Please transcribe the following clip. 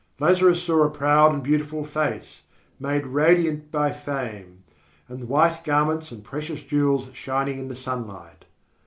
Lazarus saw a proud and beautiful face, made radiant by fame, and white garments and precious jewels shining in the sunlight.